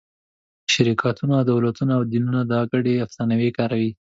شرکتونه، دولتونه او دینونه دا ګډې افسانې کاروي.